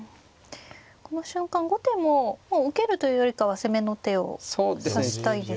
この瞬間後手ももう受けるというよりかは攻めの手を指したいですよね。